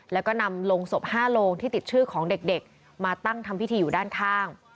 แล้วก็นำโรงศพ๕โรงที่ติดชื่อของเด็กมาตั้งทำพิธีอยู่ด้านข้าง